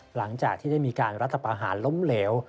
หลังจากที่ได้มีการรัฐประหารล้มเหลว